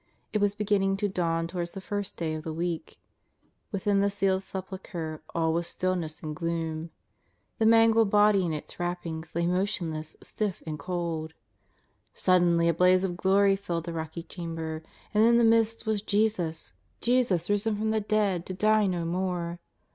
It was beginning to daT\m towards the first day of the week. Within the sealed sepulchre all was stillness and gloom. The mangled Body in its wrappings lay motionless, stiff and cold. Suddenly a blaze of glory filled the rocky chamber, and in the midst was Jesus, Jesus risen from the dead to die no more